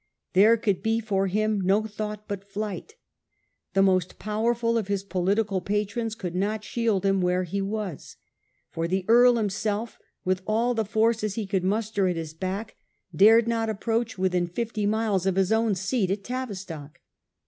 There could be for him no thought but flight. The most powerful of his political patrons could not shield him where he was ; for the Earl himself, with all the forces he could muster at his back, dared not approach within fifty miles of his own seat at Tavistock.